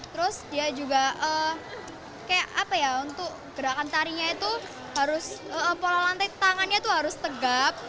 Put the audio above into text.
terus dia juga kayak apa ya untuk gerakan tarinya itu harus pola lantai tangannya tuh harus tegap